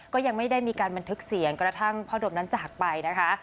ก็ยังไม่ได้มีการบันทึกเสียงกระทั่งพ่อดมนั้นจากไปนะคะ